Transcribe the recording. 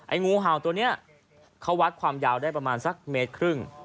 งูเห่าตัวนี้เขาวัดความยาวได้ประมาณสักเมตรครึ่ง